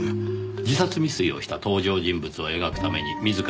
自殺未遂をした登場人物を描くために自ら自殺を試み